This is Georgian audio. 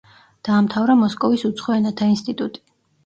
დაამთავრა მოსკოვის უცხო ენათა ინსტიტუტი.